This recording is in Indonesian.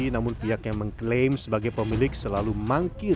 namun pihak yang mengklaim sebagai pemilik selalu mangkir